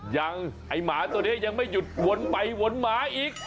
ไอ้หมาตัวนี้ยังไม่หยุดวนไปวนหมาอีก